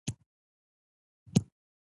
ما له خپلو مخالفینو سره یو تړون وکړ